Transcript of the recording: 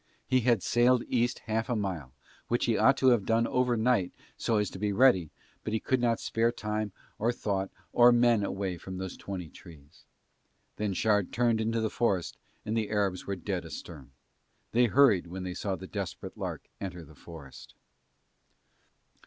He had sailed East half a mile, which he ought to have done overnight so as to be ready, but he could not spare time or thought or men away from those twenty trees. Then Shard turned into the forest and the Arabs were dead astern. They hurried when they saw the Desperate Lark enter the forest.